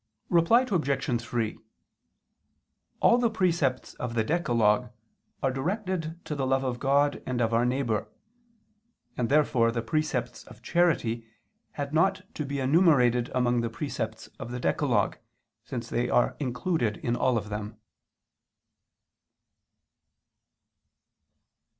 Reply Obj. 3: All the precepts of the decalogue are directed to the love of God and of our neighbor: and therefore the precepts of charity had not to be enumerated among the precepts of the decalogue, since they are included in all of them.